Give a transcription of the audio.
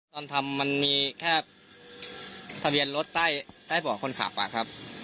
ตอนทำมันมีแค่ทะเบียนรถใต้เบาะคนขับอะครับ